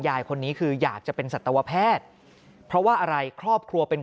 ยายคนนี้คืออยากจะเป็นสัตวแพทย์เพราะว่าอะไรครอบครัวเป็น